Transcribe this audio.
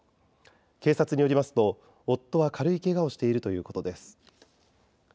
警察によりますと夫は軽いけがをしているということです。